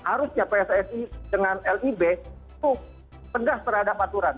harusnya pssi dengan lib itu tegas terhadap aturan